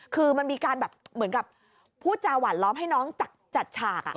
คือมันมีการแบบเหมือนกับพูดจาหวานล้อมให้น้องจัดฉาก